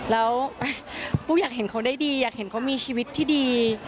แล้วปูอยากเห็นเขาได้ดีอยากเห็นเขามีชีวิตที่ดี